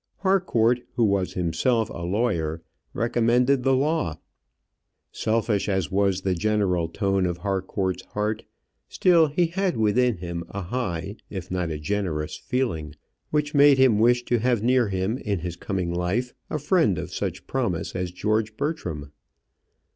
Harcourt, who was himself a lawyer, recommended the law. Selfish as was the general tone of Harcourt's heart, still he had within him a high, if not a generous feeling, which made him wish to have near him in his coming life a friend of such promise as George Bertram.